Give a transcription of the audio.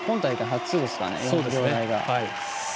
今大会初ですかね、４秒台は。